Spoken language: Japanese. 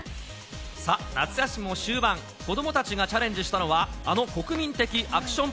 さあ、夏休みも終盤、子どもたちがチャレンジしたのは、あの国民的アクション